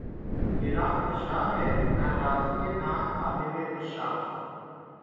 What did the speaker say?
گرہ کشا ہے نہ رازیؔ نہ صاحب کشافؔ